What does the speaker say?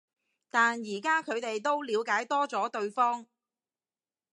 但而家佢哋都了解多咗對方